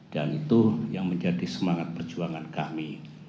dan itu yang menjadi semangat perjuangan kami